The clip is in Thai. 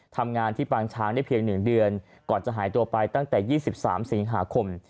ทำงานที่ปางช้างได้เพียง๑เดือนก่อนจะหายตัวไปตั้งแต่๒๓สิงหาคม